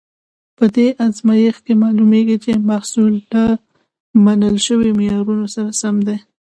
په دې ازمېښت کې معلومیږي چې محصول له منل شویو معیارونو سره سم دی.